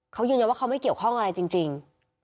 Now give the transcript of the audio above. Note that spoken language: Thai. เขายืนยันว่าเขาไม่เกี่ยวข้องอะไรจริง